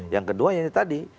yang kedua ini tadi